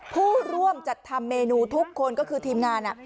ผู้ร่วมจัดทำเมนูทุกคนก็คือทีมงาน